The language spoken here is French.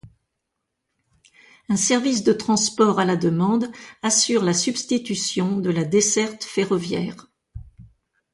Un service de transport à la demande assure la substitution de la desserte ferroviaire.